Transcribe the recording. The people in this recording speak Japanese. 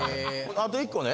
あと１個ね。